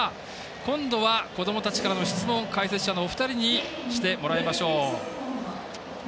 今度はこどもたちからの質問を解説者のお二人にしてもらいましょう。